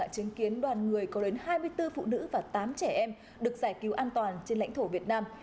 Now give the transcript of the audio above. chứng kiến đoàn người có đến hai mươi bốn phụ nữ và tám trẻ em được giải cứu an toàn trên lãnh thổ việt nam